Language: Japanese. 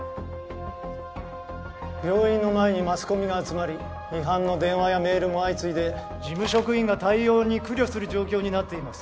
病院の前にマスコミが集まり批判の電話やメールも相次いで事務職員が対応に苦慮する状況になっています